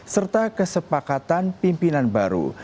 serta kesepakatan pimpinan baru